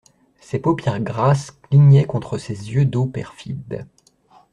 Ses paupières grasses clignaient contre ses yeux d'eau perfide.